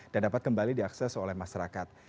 dan dapat kembali diakses oleh masyarakat